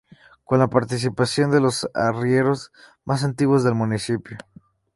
Con la participación de los arrieros más antiguos del municipio.